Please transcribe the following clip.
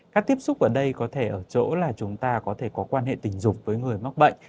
các tiếp xúc ở đây có thể ở chỗ là chúng ta có thể có quan hệ tình dục với người mắc bệnh